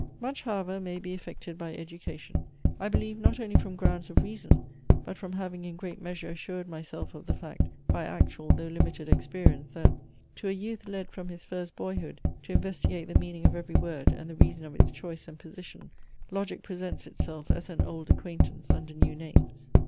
Much however may be effected by education. I believe not only from grounds of reason, but from having in great measure assured myself of the fact by actual though limited experience, that, to a youth led from his first boyhood to investigate the meaning of every word and the reason of its choice and position, logic presents itself as an old acquaintance under new names.